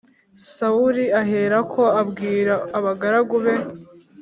sawuli aherako abwira abagaragu be